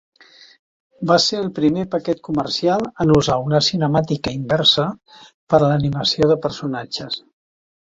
Va ser el primer paquet comercial en usar una cinemàtica inversa per a l'animació de personatges.